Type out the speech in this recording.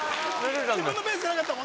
自分のペースじゃなかった。